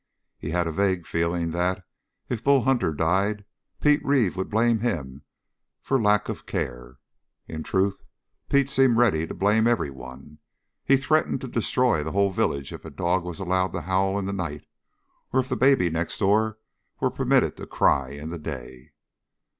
He had a vague feeling that, if Bull Hunter died, Pete Reeve would blame him for lack of care. In truth, Pete seemed ready to blame everyone. He threatened to destroy the whole village if a dog was allowed to howl in the night, or if the baby next door were permitted to cry in the day.